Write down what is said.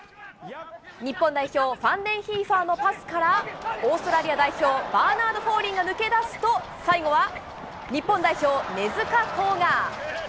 日本代表、ファンデンヒーファーのパスから、オーストラリア代表、バーナード・フォーリーが抜け出すと、最後は、日本代表、根塚洸雅。